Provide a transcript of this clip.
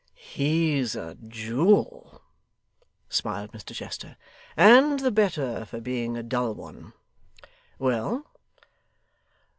'He's a jewel,' smiled Mr Chester, 'and the better for being a dull one. Well?